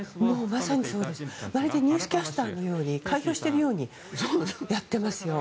まるでニュースキャスターのように開票しているようにやってますよ。